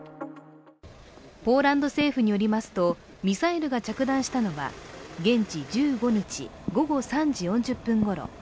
ポーランド政府によりますとミサイルが着弾したのは、現地１５日午後３時４０分ごろ。